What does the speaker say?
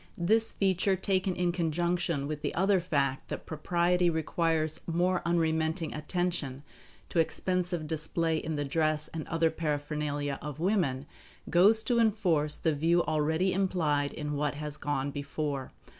This feature taken in conjunction with the other fact that propriety requires more unremitting attention to expensive display in the dress and other paraphernalia of women, goes to enforce the view already implied in what has gone before.